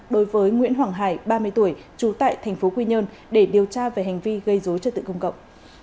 đối với nguyễn hoàng hải ba mươi tuổi trú tại tp quy nhơn để điều tra về hành vi gây dối trật tự công cộng